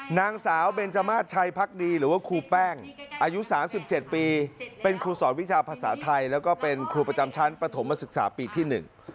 นางสาวเบนจมาสชัยพักดีหรือว่าครูแป้งอายุสามสิบเจ็ดปีเป็นครูสอนวิชาภาษาไทยแล้วก็เป็นครูประจำชั้นประถมศึกษาปีที่หนึ่ง